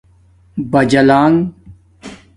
بجالانݣ